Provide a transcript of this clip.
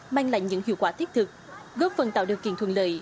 mang lại những hiệu quả thiết thực góp phần tạo điều kiện thuận lợi